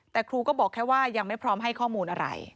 แต่ครูก็บอกแค่ว่ายังไม่พร้อมให้ข้อมูลอะไร